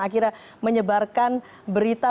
akhirnya menyebarkan berita